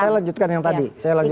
saya lanjutkan yang tadi